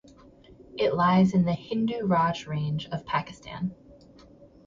It lies in the Hindu Raj range of Pakistan.